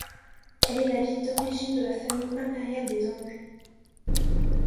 Elle est la ville d’origine de la famille impériale des Anges.